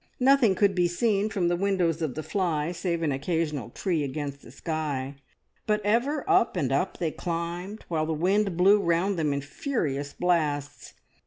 Nothing could be seen from the windows of the fly save an occasional tree against the sky, but ever up and up they climbed, while the wind blew round them in furious blasts.